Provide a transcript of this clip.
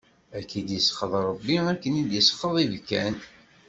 Ad k-id-isxeḍ Ṛebbi akken d-isxeḍ ibkan!